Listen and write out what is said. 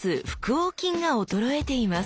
横筋が衰えています！